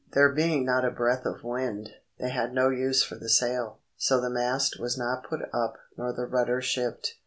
There being not a breath of wind, they had no use for the sail, so the mast was not put up nor the rudder shipped.